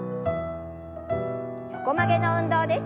横曲げの運動です。